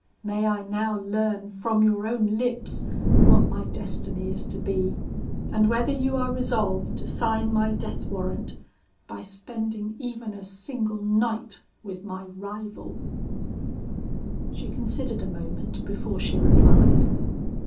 May I now learn from your own lips what my destiny is to be, and whether you are resolved to sign my death warrant, by spending even a single night with my rival?' "She considered a moment before she replied.